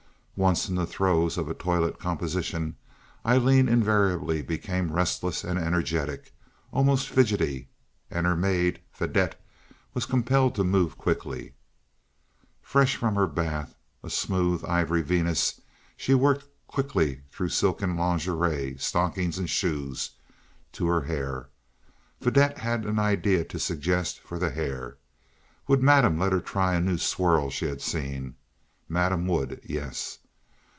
Once in the throes of a toilet composition, Aileen invariably became restless and energetic, almost fidgety, and her maid, Fadette, was compelled to move quickly. Fresh from her bath, a smooth, ivory Venus, she worked quickly through silken lingerie, stockings and shoes, to her hair. Fadette had an idea to suggest for the hair. Would Madame let her try a new swirl she had seen? Madame would—yes.